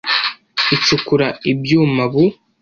Icukura ibyuma bu